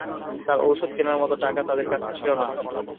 তার ওষুধ কেনার মতো টাকা তাদের কাছে ছিল না।